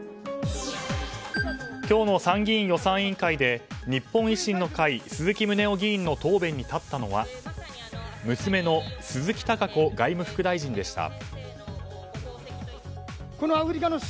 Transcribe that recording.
今日の参議院予算委員会で日本維新の会鈴木宗男議員の答弁に立ったのは娘の鈴木貴子外務副大臣でした。